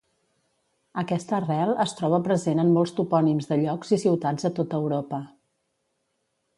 Aquesta arrel es troba present en molts topònims de llocs i ciutats a tota Europa.